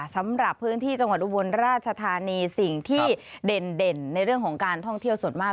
สำหรับพื้นที่จังหวัดอุบลราชธานีสิ่งที่เด่นในเรื่องของการท่องเที่ยวส่วนมาก